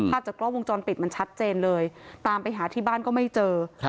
จากกล้องวงจรปิดมันชัดเจนเลยตามไปหาที่บ้านก็ไม่เจอ